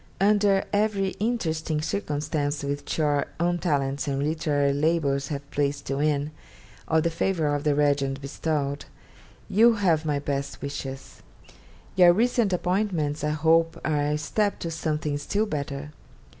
Under every interesting circumstance which your own talents and literary labours have placed you in, or the favour of the Regent bestowed, you have my best wishes. Your recent appointments I hope are a step to something still better.